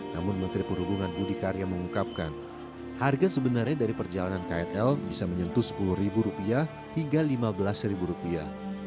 namun menteri perhubungan budi karya mengungkapkan harga sebenarnya dari perjalanan krl bisa menyentuh sepuluh rupiah hingga lima belas rupiah